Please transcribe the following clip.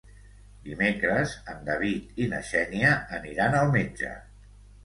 Dimecres en David i na Xènia aniran al metge.